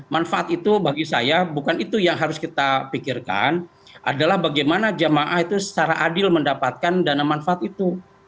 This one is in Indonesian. manfaat itu bagi saya bukan itu yang harus kita pikirkan adalah bagaimana jemaah itu secara adil mendapatkan dana manfaat itu